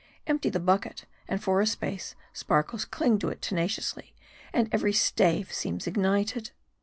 Empty the bucket, and for a space sparkles cling to it tenaciously ; and every stave seems ignited.